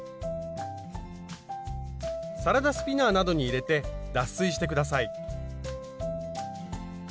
サラダスピナーなどに入れて脱水して下さい。